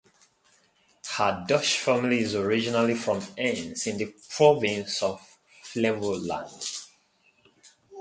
Her Dutch family is originally from Ens in the province of Flevoland.